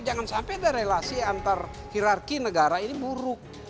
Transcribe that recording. jangan sampai ada relasi antar hirarki negara ini buruk